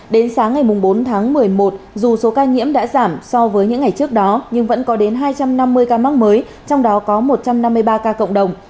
đến sáng ngày bốn tháng một mươi một dù số ca nhiễm đã giảm so với những ngày trước đó nhưng vẫn có đến hai trăm năm mươi ca mắc mới trong đó có một trăm năm mươi ba ca cộng đồng